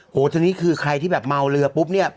ทางนี้คือใครที่แบบเมาเรือปุ๊บเนี่ย